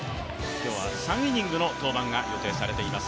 今日は３イニングの登板が予定されています。